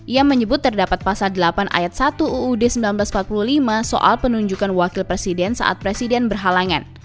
ia menyebut terdapat pasal delapan ayat satu uud seribu sembilan ratus empat puluh lima soal penunjukan wakil presiden saat presiden berhalangan